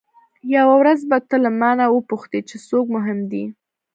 یوه ورځ به ته له مانه وپوښتې چې څوک مهم دی.